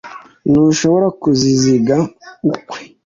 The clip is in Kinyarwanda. Ntushobora kuzizinga ukwe